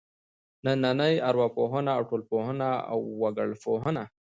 نننۍ ارواپوهنه او ټولنپوهنه او وګړپوهنه.